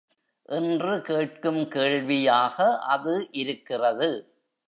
என்று கேட்கும் கேள்வியாக அது இருக்கிறது.